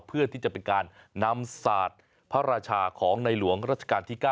เพื่อที่จะเป็นการนำศาสตร์พระราชาของในหลวงราชการที่๙